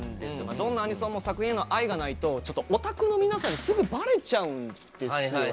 どのアニソンも作品への愛がないとオタクの皆さんにすぐバレちゃうんですよね。